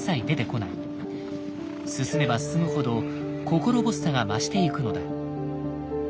進めば進むほど心細さが増していくのだ。